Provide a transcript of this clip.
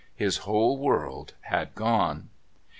His whole world had gone.